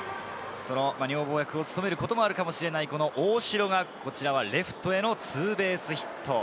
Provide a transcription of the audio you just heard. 女房役を務めることがあるかもしれない大城がレフトへのツーベースヒット。